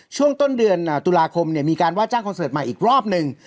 ช่วงต้นเดือนตุลาคมมีการว่าจ้างคอนเสิร์ตใหม่อีกรอบหนึ่ง